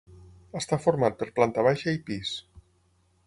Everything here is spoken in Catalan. Està format per planta baixa i pis.